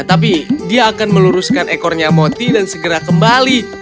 tapi dia akan meluruskan ekornya moti dan segera kembali